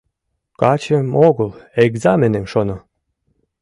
Качым огыл, экзаменым шоно».